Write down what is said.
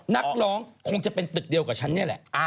นักร้องคงจะเป็นตึกเดียวกับฉันนี่แหละ